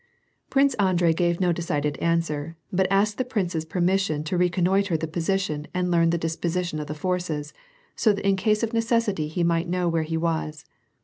Prince Andrei gave no decided answer, but asked the prince's permission to reconnoitre the position and learn the disposi tion of the forces, so that in case of necessity he might know where he was.